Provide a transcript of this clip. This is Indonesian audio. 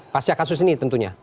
pasca kasus ini tentunya